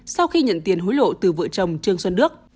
sau khi nhận tiền hối lộ từ vợ chồng trương xuân đức